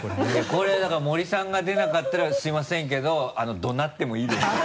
これだから森さんが出なかったらすいませんけど怒鳴ってもいいですか？